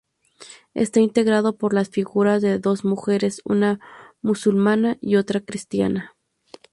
Está integrado por las figuras de dos mujeres, una musulmana y otra cristiana.